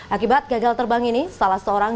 akibat gagal terbang ini salah seorang